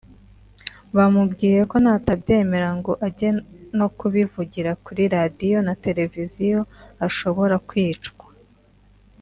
bamubwiye ko natabyemera ngo ajye no kubivugira kuri Radiyo na Televiziyo ashobora kwicwa